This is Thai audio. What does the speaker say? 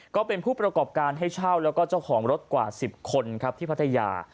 ก็เป็นผู้ประกอบการให้เช่าแล้วก็เจ้าของรถกว่า๑๐คนครับที่พัทยา